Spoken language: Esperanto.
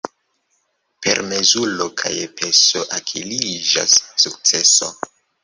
Per mezuro kaj peso akiriĝas sukceso.